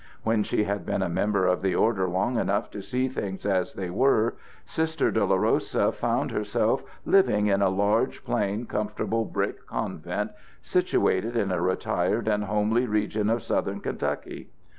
When she had been a member of the order long enough to see things as they were, Sister Dolorosa found herself living in a large, plain, comfortable brick convent, situated in a retired and homely region of Southern Kentucky.